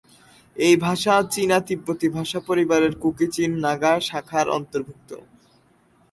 এই ভাষা চীনা-তিব্বতি ভাষা পরিবারের কুকি-চিন-নাগা শাখার অন্তর্ভুক্ত।